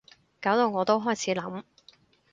搞到我都開始諗